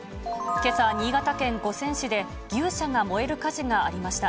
けさ、新潟県五泉市で、牛舎が燃える火事がありました。